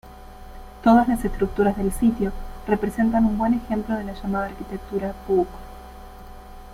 Todas las estructuras del sitio representan un buen ejemplo de la llamada arquitectura Puuc.